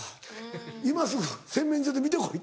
今すぐ洗面所で見てこい」。